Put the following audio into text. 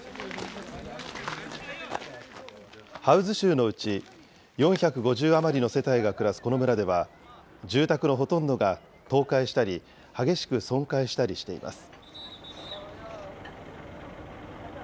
ハウズ州のうち、４５０余りの世帯が暮らすこの村では、住宅のほとんどが倒壊したり、激しく損壊したりしています。